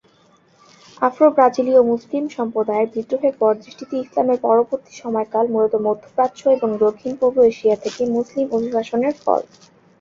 আফ্রো-ব্রাজিলীয় মুসলিম সম্প্রদায়ের বিদ্রোহের পর দেশটিতে ইসলামের পরবর্তী সময়কাল মূলত মধ্য প্রাচ্য এবং দক্ষিণ পূর্ব এশিয়া থেকে মুসলিম অভিবাসনের ফল।